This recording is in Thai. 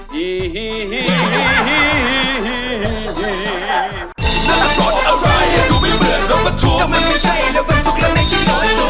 ฮีฮีฮีฮีฮี